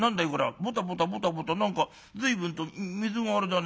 ポタポタポタポタ何か随分と水があれだね。